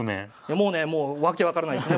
もうねもう訳分からないですね。